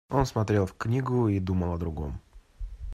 Он смотрел в книгу и думал о другом.